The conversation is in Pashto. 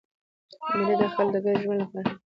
مېلې د خلکو د ګډ ژوند له پاره یو مهم فرصت دئ.